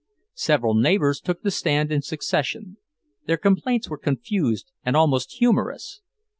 Several neighbours took the stand in succession; their complaints were confused and almost humorous.